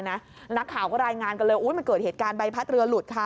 นักข่าวก็รายงานกันเลยมันเกิดเหตุการณ์ใบพัดเรือหลุดค่ะ